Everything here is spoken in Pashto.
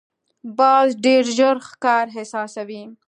باز ډېر ژر ښکار احساسوي